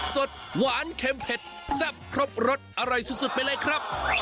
สดหวานเข็มเผ็ดแซ่บครบรสอร่อยสุดไปเลยครับ